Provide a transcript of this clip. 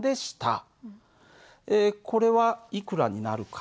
これはいくらになるかというと。